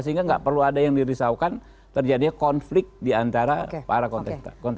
sehingga nggak perlu ada yang dirisaukan terjadinya konflik diantara para kontektor